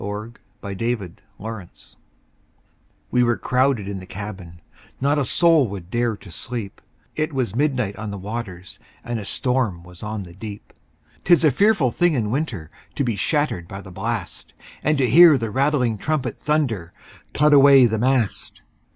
W X . Y Z Ballad of the Tempest WE were crowded in the cabin, Not a soul would dare to sleep, It was midnight on the waters, And a storm was on the deep. 'Tis a fearful thing in winter To be shattered by the blast, And to hear the rattling trumpet Thunder, "Cut away the mast!"